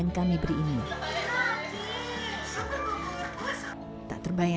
lalu aku beraaya terus terbyesarnya